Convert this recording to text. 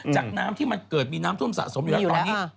จากน้ำที่มันเกิดมีน้ำท่วมสะสมอยู่แล้วตอนนี้